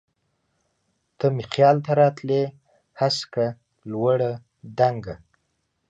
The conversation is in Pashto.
ته مي خیال ته راتلی هسکه، لوړه، دنګه